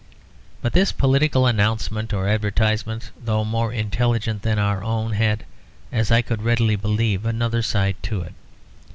But this political announcement or advertisement, though more intelligent than our own, had, as I could readily believe, another side to it.